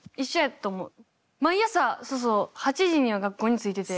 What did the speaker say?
毎朝そそ８時には学校に着いてて。